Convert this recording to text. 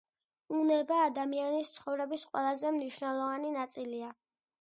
უნება ადამიანის ცხოვრების ყველაზე მნიშვნელოვანი ნაწილია.